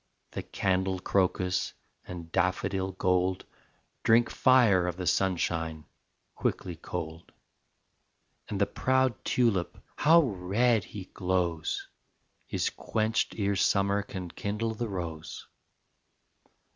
The candle crocus And daffodil gold Drink fire of the sunshine Quickly cold. And the proud tulip How red he glows! Is quenched ere summer Can kindle the rose.